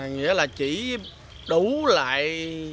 nghĩa là chỉ đủ lại